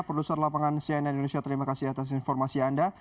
produser lapangan cnn indonesia terima kasih atas informasi anda